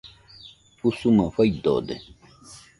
Usumana faidode